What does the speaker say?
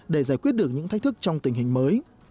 để giải quyết được những thách thức trong tình hình mới